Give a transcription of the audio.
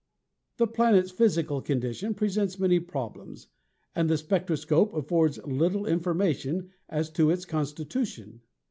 The planet's physical condition presents many problems and the spectroscope affords little information as to its constitution.